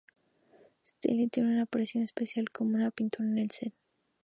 Stan Lee tiene una aparición especial como una pintura en el set.